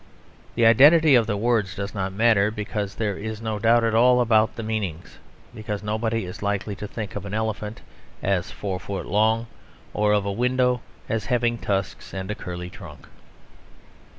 The identity of the words does not matter, because there is no doubt at all about the meanings; because nobody is likely to think of an elephant as four foot long, or of a window as having tusks and a curly trunk.